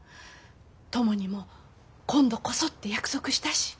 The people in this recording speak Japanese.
トモにも今度こそって約束したし。